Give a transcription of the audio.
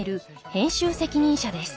編集責任者です。